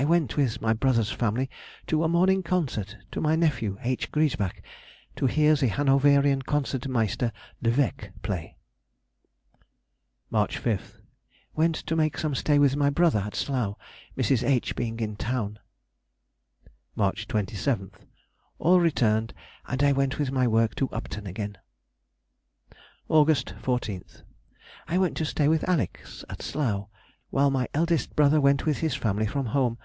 _—I went, with my brother's family, to a morning concert, to my nephew, H. Griesbach, to hear the Hanoverian Concert Meister Le Vec play. March 5th.—Went to make some stay with my brother at Slough, Mrs. H. being in town. March 27th.—All returned, and I went with my work to Upton again. August 14th.—I went to stay with Alex. at Slough while my eldest brother went with his family from home.